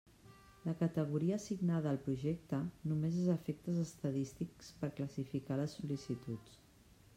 La categoria assignada al projecte només és a efectes estadístics, per classificar les sol·licituds.